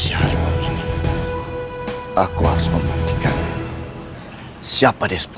imba rambai imba di ulu